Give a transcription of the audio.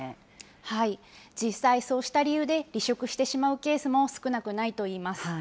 実際、そうした理由で離職してしまうケースも少なくないといいます。